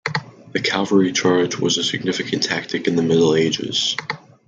The cavalry charge was a significant tactic in the Middle Ages.